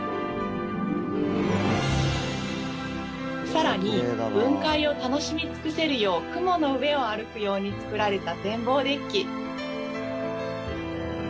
更に雲海を楽しみ尽くせるよう雲の上を歩くように作られた展望デッキ。